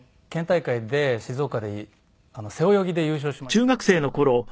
県大会で静岡で背泳ぎで優勝しまして。